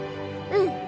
うん。